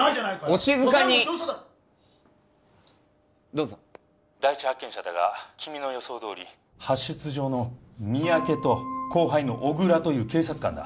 お静かにしーどうぞ第一発見者だが君の予想どおり派出所の三宅と☎後輩の小倉という警察官だ